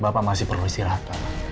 bapak masih perlu istirahat